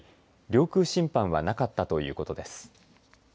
領空侵犯はなかったということです。